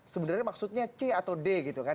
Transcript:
sebenarnya maksudnya c atau d gitu kan